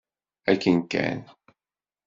Akken kan.